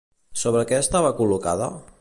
Sobre què estava col·locada?